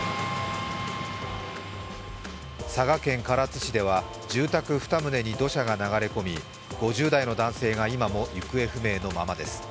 佐賀県唐津市では住宅２棟に土砂が流れ込み、５０代の男性が今も行方不明のままです。